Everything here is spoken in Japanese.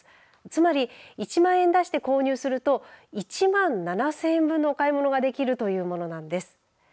つまり１万円出して購入すると１万７０００円分のお買い物ができるというものなんです。